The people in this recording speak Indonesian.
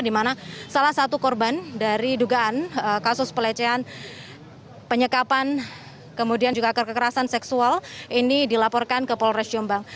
di mana salah satu korban dari dugaan kasus pelecehan penyekapan kemudian juga kekerasan seksual ini dilaporkan ke polres jombang